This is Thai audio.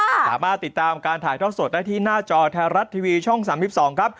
สามารถติดตามการถ่ายทอดสดได้ที่หน้าจอไทยรัฐทีวีช่อง๓๒ครับ